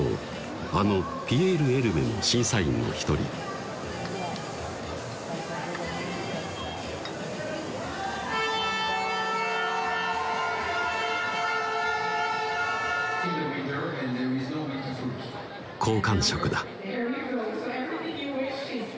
あのピエール・エルメも審査員の一人好感触だ